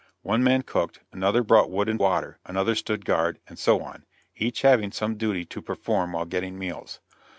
One man cooked, another brought wood and water, another stood guard, and so on, each having some duty to perform while getting meals.